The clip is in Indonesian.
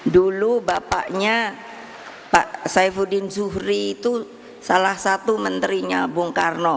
dulu bapaknya pak saifuddin zuhri itu salah satu menterinya bung karno